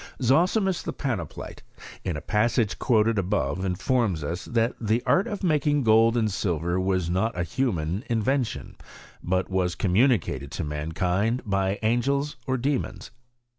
Zosimus, the Panapolite, in a passage quoted above informs us, that the art of making gold and silver was not a human invention; but was communicated to mankind by angels or demons.